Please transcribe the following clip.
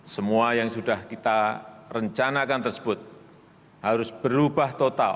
semua yang sudah kita rencanakan tersebut harus berubah total